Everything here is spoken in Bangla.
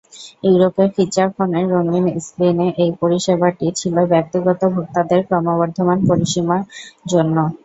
ইউরোপে ফিচার ফোনের রঙিন স্ক্রিনে এই পরিষেবাটি ছিল ব্যক্তিগত ভোক্তাদের ক্রমবর্ধমান পরিসীমা জন্য।